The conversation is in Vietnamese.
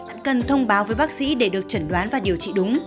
bạn cần thông báo với bác sĩ để được chẩn đoán và điều trị đúng